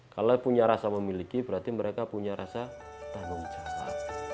kalau punya rasa memiliki berarti mereka punya rasa tanggung jawab